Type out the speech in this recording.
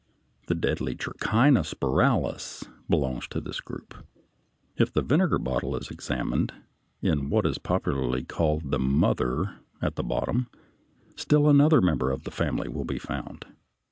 The deadly Trichina spiralis belongs to this group (Fig. 64). If the vinegar bottle is examined, in what is popularly called the "mother" at the bottom, still another member of the family will be found.